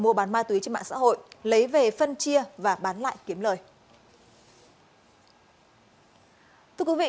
mua bán ma túy trên mạng xã hội lấy về phân chia và bán lại kiếm lời